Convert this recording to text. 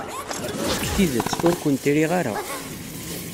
Deg tidet, ur kent-riɣ ara.